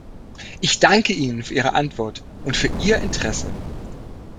Ich danke Ihnen für Ihre Antwort und für Ihr Interesse.